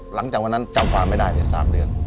หลังจากวันนั้นจำฟาร์มไม่ได้เลย๓เดือน